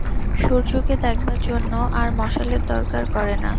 সূর্যকে দেখবার জন্য আর মশালের দরকার করে না।